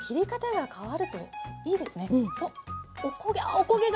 お焦げが！